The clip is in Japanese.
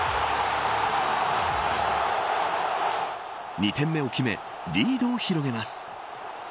２点目を決めリードを広げます。